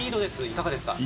いかがですか？